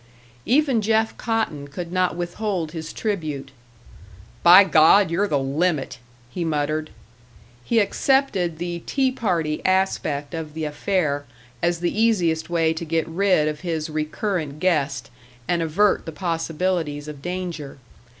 Even Jeff Cotton could not withhold his tribute. "By God, you're the limit!" he muttered. He accepted the "tea party" aspect of the affair, as the easiest way to get rid of his recurrent guest, and avert the possibilities of danger.